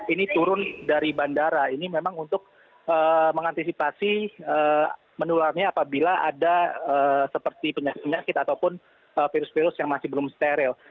ini turun dari bandara ini memang untuk mengantisipasi menularnya apabila ada seperti penyakit ataupun virus virus yang masih belum steril